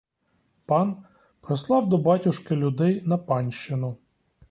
Пан прислав до батюшки людей на панщину.